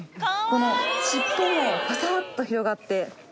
この尻尾もふぁさっと広がって。